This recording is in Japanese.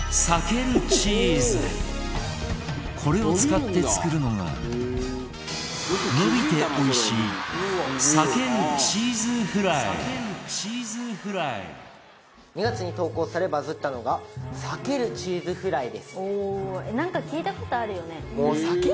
これを使って作るのが伸びておいしい２月に投稿されバズったのがさけるチーズフライです。